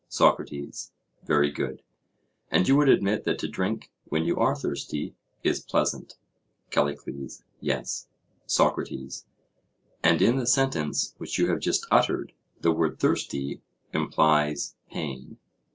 SOCRATES: Very good. And you would admit that to drink, when you are thirsty, is pleasant? CALLICLES: Yes. SOCRATES: And in the sentence which you have just uttered, the word "thirsty" implies pain?